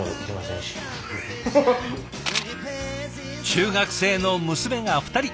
中学生の娘が２人。